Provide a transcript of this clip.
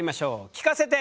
聞かせて！